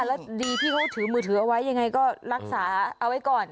แล้วดีที่เขาถือมือถือเอาไว้ยังไงก็รักษาเอาไว้ก่อน